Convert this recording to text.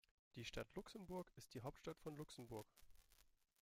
Die Stadt Luxemburg ist die Hauptstadt von Luxemburg.